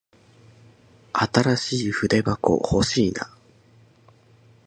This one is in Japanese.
新しい筆箱欲しいな。